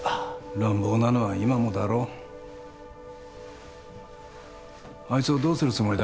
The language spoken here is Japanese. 乱暴なのは今もだろあいつをどうするつもりだ？